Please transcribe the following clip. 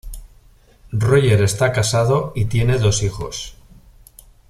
Roger está casado y tiene dos hijos.